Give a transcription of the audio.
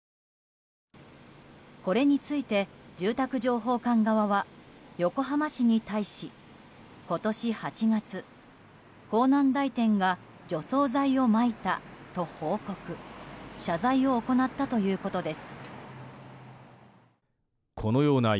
これについて住宅情報館側は横浜市に対し今年８月港南台店が除草剤をまいたと報告・謝罪を行ったということです。